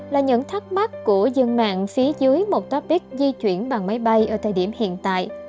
là những thắc mắc của dân mạng phía dưới một topic di chuyển bằng máy bay ở thời điểm hiện tại